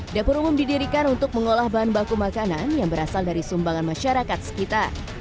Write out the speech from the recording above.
dapur umum didirikan untuk mengolah bahan baku makanan yang berasal dari sumbangan masyarakat sekitar